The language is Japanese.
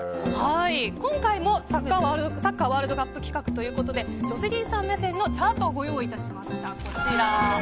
今回もサッカーワールドカップ企画ということでジョセリンさん目線のチャートをご用意いたしました。